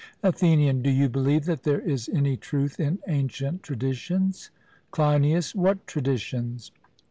ATHENIAN: Do you believe that there is any truth in ancient traditions? CLEINIAS: What traditions?